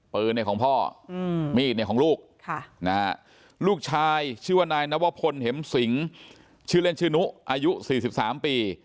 ปืนเนี่ยของพ่อมีดเนี่ยของลูกลูกชายชื่อว่านายนวพลเห็มสิงชื่อเล่นชื่อนุอายุ๔๓ปี